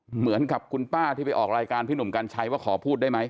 เหมือนกับคุณป้าที่ไปออกรายการพี่หนุ่มกัญชัยว่าขอพูดได้ไหม